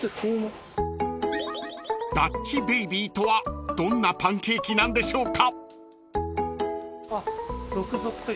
［ダッチベイビーとはどんなパンケーキなんでしょうか］